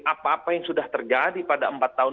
apa apa yang sudah terjadi pada empat tahun